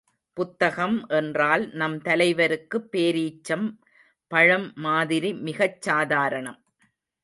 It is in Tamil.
புத்தகம் என்றால் நம் தலைவருக்குப் பேரீச்சம் பழம் மாதிரி மிகச் சாதாரணம்!